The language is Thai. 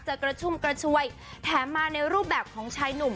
กระชุ่มกระชวยแถมมาในรูปแบบของชายหนุ่ม